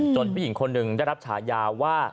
ผู้หญิงคนหนึ่งได้รับฉายาว่า